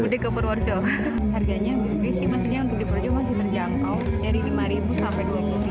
harganya untuk di purworejo masih berjangkau dari lima sampai dua puluh